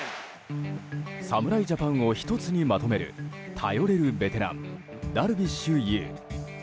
侍ジャパンを１つにまとめる頼れるベテランダルビッシュ有。